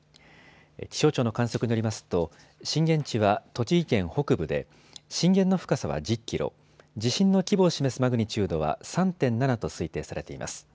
気象庁の観測によりますと、震源地は栃木県北部で震源の深さは１０キロ、地震の規模を示すマグニチュードは３．７と推定されています。